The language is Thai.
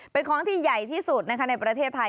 เป็นของที่ใหญ่ที่สุดนะคะในประเทศไทย